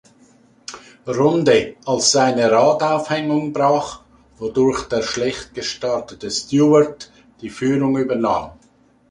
Runde, als seine Radaufhängung brach, wodurch der schlecht gestartete Stewart die Führung übernahm.